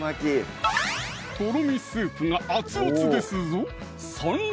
とろみスープが熱々ですぞ